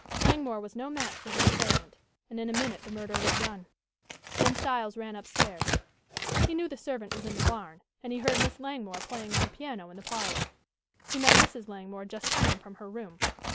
Langmore was no match for his assailant, and in a minute the murder was done. Then Styles ran upstairs. He knew the servant was in the barn, and he heard Miss Langmore playing on the piano in the parlor. He met Mrs. Langmore just coming from her room.